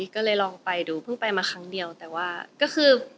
ก็เลยลองไปดูเพิ่งไปมาครั้งเดียวแต่ว่าก็คือ